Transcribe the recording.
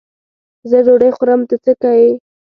زه ډوډۍ خورم؛ ته څه که یې.